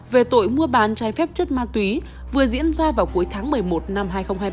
về tội mua bán trái phép chất ma túy vừa diễn ra vào cuối tháng một mươi một năm hai nghìn hai mươi ba